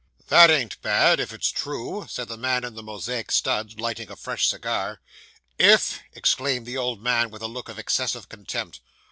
'That ain't bad, if it's true,' said the man in the Mosaic studs, lighting a fresh cigar. 'If!' exclaimed the old man, with a look of excessive contempt.